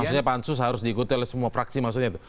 maksudnya pansus harus diikuti oleh semua fraksi maksudnya itu